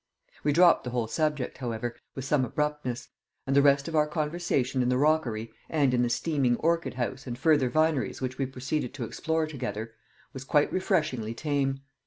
We dropped the whole subject, however, with some abruptness; and the rest of our conversation in the rockery, and in the steaming orchid house and further vineries which we proceeded to explore together, was quite refreshingly tame.